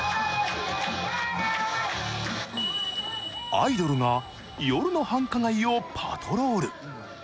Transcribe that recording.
アイドルが夜の繁華街をパトロール。